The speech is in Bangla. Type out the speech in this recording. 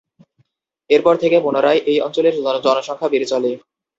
এরপর থেকে পুনরায় এই অঞ্চলের জনসংখ্যা বেড়ে চলে।